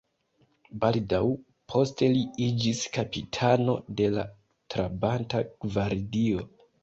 Baldaŭ poste li iĝis kapitano de la Trabanta gvardio.